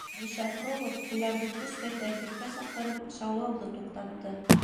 Миша Фролов уларҙы көскә тәртипкә саҡырып, шаулауҙы туҡтатты.